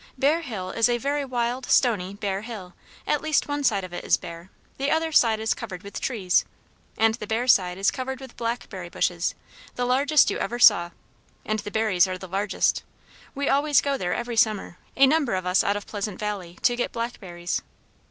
Bear Hill is a very wild, stony, bare hill at least one side of it is bare; the other side is covered with trees. And the bare side is covered with blackberry bushes, the largest you ever saw; and the berries are the largest. We always go there every summer, a number of us out of Pleasant Valley, to get blackberries."